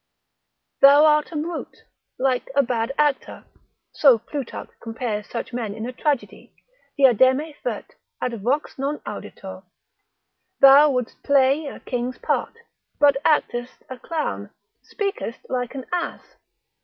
Thou art a brute. Like a bad actor (so Plutarch compares such men in a tragedy, diadema fert, at vox non auditur: Thou wouldst play a king's part, but actest a clown, speakest like an ass.